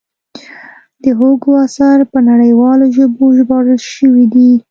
د هوګو اثار په نړیوالو ژبو ژباړل شوي دي.